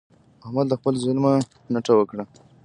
احمد له خپله ظلمه نټه وکړه.